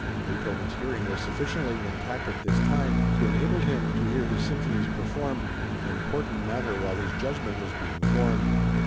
Beethoven's hearing was sufficiently intact at this time to enable him to hear his symphonies performed, an important matter while his judgment was being formed.